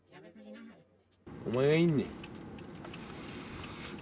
お前がいんねん。